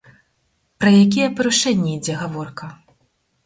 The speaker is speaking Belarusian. Пра якія парушэнні ідзе гаворка?